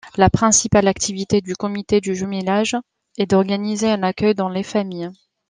La principale activité du Comité de jumelage est d’organiser un accueil dans les familles.